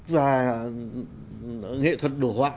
và nghệ thuật đồ họa